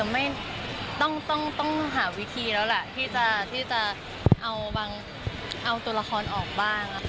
ไม่ต้องหาวิธีแล้วแหละที่จะเอาบางเอาตัวละครออกบ้าง